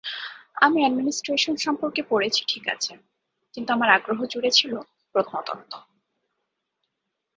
আমি অ্যাডমিনিস্ট্রেশন সম্পর্কে পড়েছি ঠিক আছে, কিন্তু আমার আগ্রহজুড়ে ছিল প্রত্নতত্ত্ব।